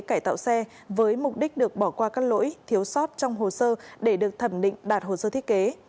cải tạo xe với mục đích được bỏ qua các lỗi thiếu sót trong hồ sơ để được thẩm định đạt hồ sơ thiết kế